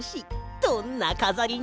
どんなかざりにする？